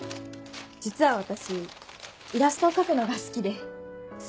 実は私イラストを描くのが好きで。